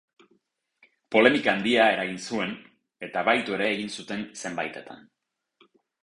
Polemika handia eragin zuen, eta bahitu ere egin zuten zenbaitetan.